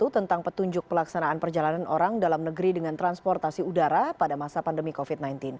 tentang petunjuk pelaksanaan perjalanan orang dalam negeri dengan transportasi udara pada masa pandemi covid sembilan belas